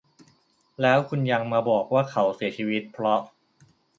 แล้วคุณยังมาบอกว่าเขาเสียชีวิตเพราะ